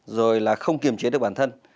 rồi là không kiềm chế được bản thân